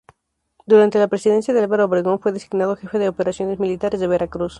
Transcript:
Durante la presidencia de Álvaro Obregón fue designado jefe de operaciones militares de Veracruz.